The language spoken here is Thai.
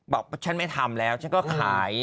บอกว่าฉันไม่ทำแล้วฉันก็ขาย